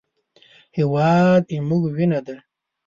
هېواد زموږ وینه ده